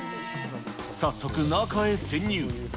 早速、中へ潜入。